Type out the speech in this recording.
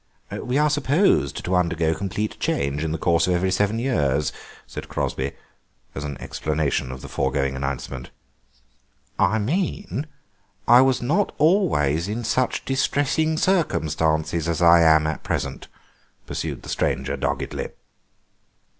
"We are supposed to undergo complete change in the course of every seven years," said Crosby, as an explanation of the foregoing announcement. "I mean I was not always in such distressing circumstances as I am at present," pursued the stranger doggedly.